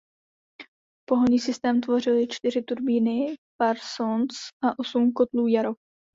Pohonný systém tvořily čtyři turbíny Parsons a osm kotlů Yarrow.